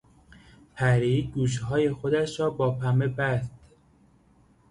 پری گوشهای خودش را با پنبه بست.